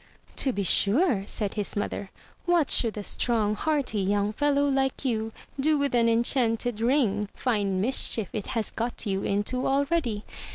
"To be sure!" said his mother. "What should a strong, hearty young fellow like you do with an enchanted ring? Fine mischief it has got you into already!